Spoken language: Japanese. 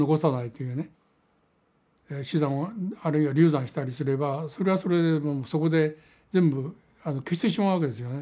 死産あるいは流産したりすればそれはそれでそこで全部消してしまうわけですよね。